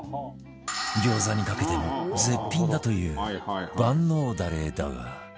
餃子にかけても絶品だという万能ダレだが